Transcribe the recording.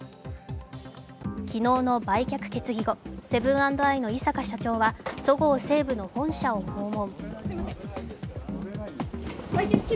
昨日の売却決議後、セブン＆アイの井阪社長はそごう・西武の本社を訪問。